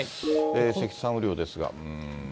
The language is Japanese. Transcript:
積算雨量ですが。